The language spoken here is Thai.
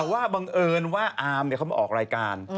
ว่าบังเอิญว่าอามเขามาออกรายการ